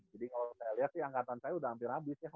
jadi kalau saya lihat sih angkatan saya udah hampir habis ya